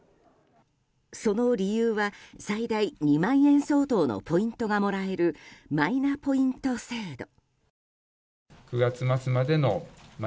その理由は、最大２万円相当のポイントがもらえるマイナポイント制度。